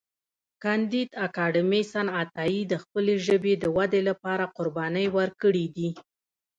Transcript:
کانديد اکاډميسن عطایي د خپلې ژبې د ودې لپاره قربانۍ ورکړې دي.